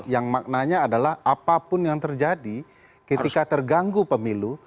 yang maknanya adalah apapun yang terjadi ketika terganggu pemilu